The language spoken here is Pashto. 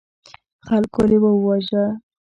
خلکو لیوه وواژه.